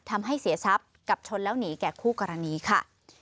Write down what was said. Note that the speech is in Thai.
ทำให้เสียทรัพย์กับชนแล้วหนีแก่คู่กรณีค่ะ